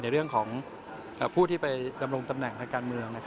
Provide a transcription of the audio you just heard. ในเรื่องของผู้ที่ไปดำรงตำแหน่งทางการเมือง